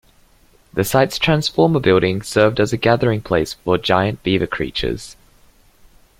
The site's transformer building served as a gathering place for giant beaver creatures.